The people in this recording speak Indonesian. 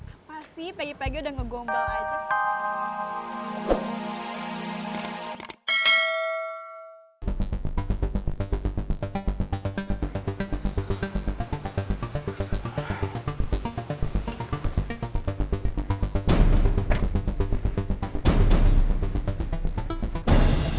apa sih pegi pegi udah ngegombang aja